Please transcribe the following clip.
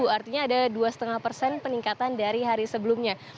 artinya ada dua lima persen peningkatan dari hari sebelumnya